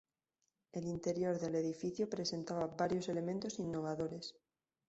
El interior del edificio presentaba varios elementos innovadores.